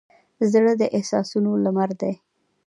زړه د احساسونو لمر دی.